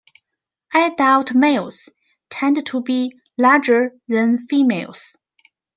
Adult males tend to be larger than females.